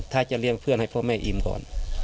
ถ้าจะเลี้ยงเพื่อนให้พ่อแม่อิมก่อน